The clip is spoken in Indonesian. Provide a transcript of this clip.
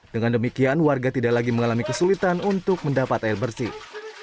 dengan demikian warga tidak lagi mengalami kesulitan untuk mendapat air bersih